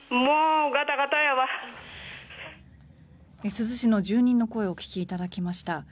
珠洲市の住人の声をお聞きいただきました。